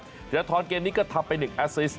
ทีละทอนเกมนี้ก็ทำไป๑อาซิสต์